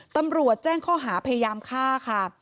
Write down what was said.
ตำรวจแจ้งข้อหาพยายามฆ่าค่ะ